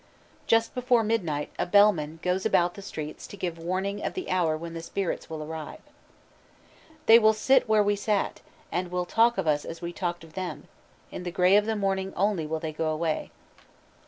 Just before midnight a bell man goes about the streets to give warning of the hour when the spirits will arrive. "They will sit where we sat, and will talk of us as we talked of them: in the gray of the morning only will they go away."